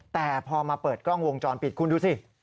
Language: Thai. แต่พอมาเปิดกล้องวงจรปิดคุณดูสิ